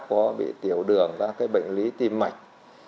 có bị tiểu đường các bệnh lý tim mạch